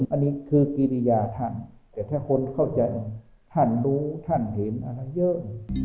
อันนี้คือกิริยาท่านแต่ถ้าคนเข้าใจท่านรู้ท่านเห็นอะไรเยอะ